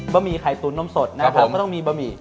หมี่ไข่ตุ๋นนมสดนะครับผมก็ต้องมีบะหมี่